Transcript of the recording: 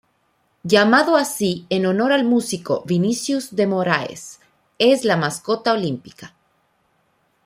Llamado así en honor al músico Vinícius de Moraes, es la mascota olímpica.